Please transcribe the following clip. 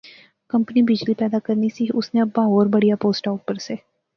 کمپنی بجلی پیدا کرنی سی، اس نے ابا ہور بڑیا پوسٹا اپر سے